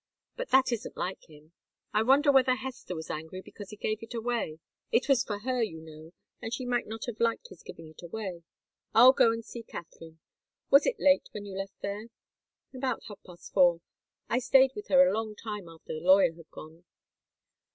But that isn't like him. I wonder whether Hester was angry because he gave it away. It was for her, you know, and she may not have liked his giving it away. I'll go and see Katharine. Was it late when you left there?" "About half past four. I stayed with her a long time after the lawyer had gone."